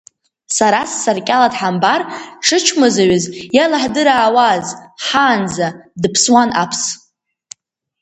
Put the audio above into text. Сара ссаркьала дҳамбар, дшычмазаҩыз иалаҳдыраауаз, ҳаанӡа, дыԥсуан Аԥс.